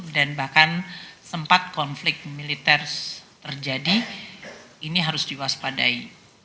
dan bahkan sempat konflik militer terjadi ini harus diwaspadai